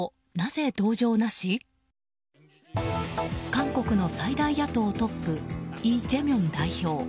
韓国の最大野党トップイ・ジェミョン代表。